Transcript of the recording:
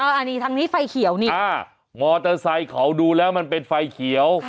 อ่าอันนี้ทางนี้ไฟเขียวนี่อ่าเขาดูแล้วมันเป็นไฟเขียว